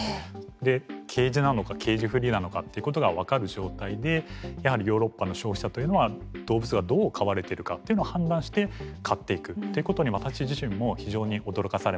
でケージなのかケージフリーなのかということが分かる状態でやはりヨーロッパの消費者というのは動物がどう飼われてるかというのを判断して買っていくということに私自身も非常に驚かされました。